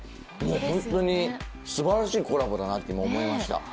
本当にすばらしいコラボだなって思いました。